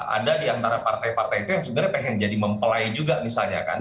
ada di antara partai partai itu yang sebenarnya pengen jadi mempelai juga misalnya kan